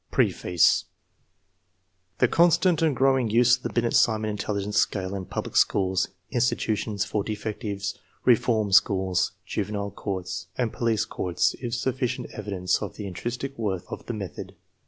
PREFACE THE constant and growing use of the Binet Simon intel ligence scale in public schools, institutions for defectives, reform schools, juvenile courts, and police courts is suffi cient evidence of the intrinsic worth of the method.